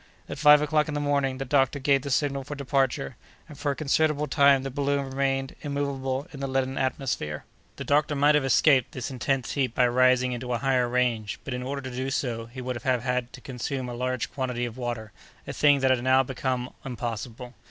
At five o'clock in the morning, the doctor gave the signal for departure, and, for a considerable time, the balloon remained immovable in the leaden atmosphere. The doctor might have escaped this intense heat by rising into a higher range, but, in order to do so, he would have had to consume a large quantity of water, a thing that had now become impossible.